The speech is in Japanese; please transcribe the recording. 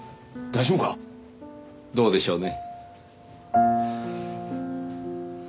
どうでしょうね。